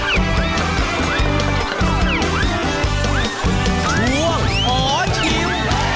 ช่วงขอชิม